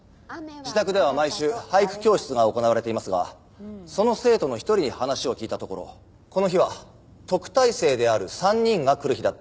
自宅では毎週俳句教室が行われていますがその生徒の一人に話を聞いたところこの日は特待生である３人が来る日だったそうです。